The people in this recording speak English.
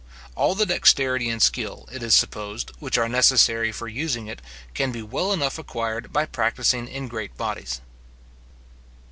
All the dexterity and skill, it is supposed, which are necessary for using it, can be well enough acquired by practising in great bodies.